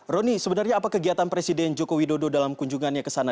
roni sebenarnya apa kegiatan presiden joko widodo dalam kunjungannya ke sana